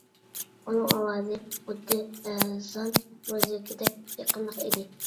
ئۇنىڭ ئاۋازى خۇددى لەرزان مۇزىكىدەك يېقىملىق ئىدى.